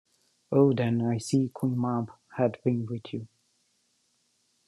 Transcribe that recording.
O, then, I see Queen Mab hath been with you.